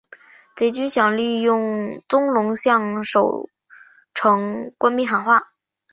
贼军想利用宗龙向守城官兵喊话。